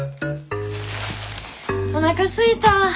おなかすいた。